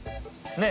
ねえ？